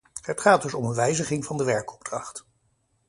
Het gaat dus om een wijziging van de werkopdracht.